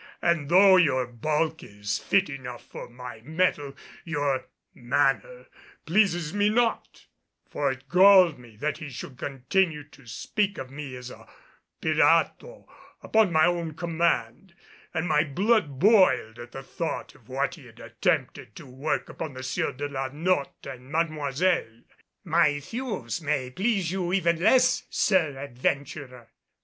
And though your bulk is fit enough for my metal, your manner pleases me not;" for it galled me that he should continue to speak of me as a pirato upon my own command; and my blood boiled at the thought of what he had attempted to work upon the Sieur de la Notte and Mademoiselle. "My thews may please you even less, Sir Adventurer.